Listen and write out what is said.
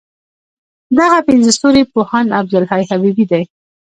دغه پنځه ستوري پوهاند عبدالحی حبیبي دی.